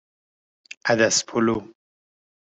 عدس پلو